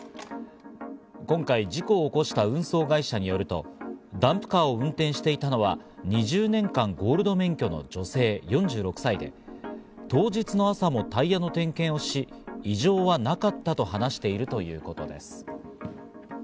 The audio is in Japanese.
今回、事故を起こした運送会社によると、ダンプカーを運転していたのは２０年間ゴールド免許の女性４６歳で、当日の朝もタイヤの点検をし、異常はなかったと話しているということです。